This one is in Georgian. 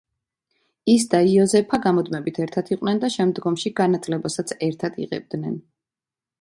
ის და იოზეფა გამუდმებით ერთად იყვნენ და შემდგომში განათლებასაც ერთად იღებდნენ.